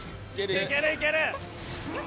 いけるいける。